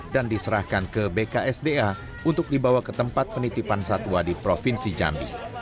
dan diserahkan ke bksda untuk dibawa ke tempat penitipan satwa di provinsi jambi